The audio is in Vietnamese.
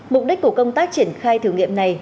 mục đích của công tác triển khai thử nghiệm này